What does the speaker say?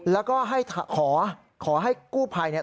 แล้วก็ขอให้กู้ภัยเนี่ยทำอะไรนะครับ